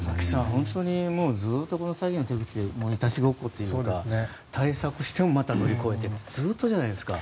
本当にずっとこの詐欺の手口いたちごっこというか対策してもまた乗り越えてずっとじゃないですか。